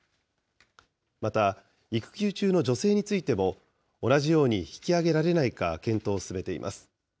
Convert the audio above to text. また育休中の女性についても、同じように引き上げられないか検討を進めています。